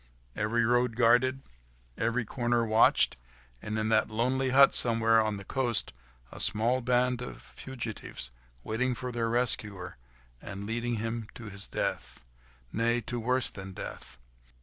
Every road guarded, every corner watched, and in that lonely hut somewhere on the coast, a small band of fugitives waiting for their rescuer, and leading him to his death—nay! to worse than death.